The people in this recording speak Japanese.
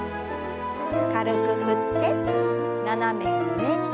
軽く振って斜め上に。